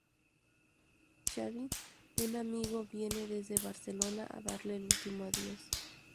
Xabi, un amigo, viene desde Barcelona a darle el último adiós.